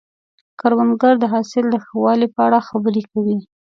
کروندګر د حاصل د ښه والي په اړه خبرې کوي